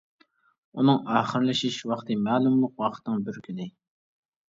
ئۇنىڭ ئاخىرلىشىش ‹ۋاقتى› -مەلۇملۇق ۋاقىتنىڭ بىركۈنى.